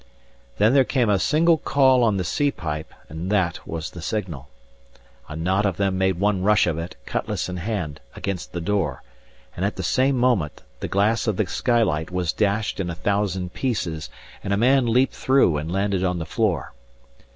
Then there came a single call on the sea pipe, and that was the signal. A knot of them made one rush of it, cutlass in hand, against the door; and at the same moment, the glass of the skylight was dashed in a thousand pieces, and a man leaped through and landed on the floor.